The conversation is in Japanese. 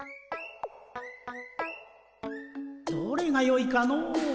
どれがよいかの。